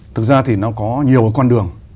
thực ra thì nó có nhiều con đường